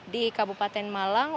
di kabupaten malang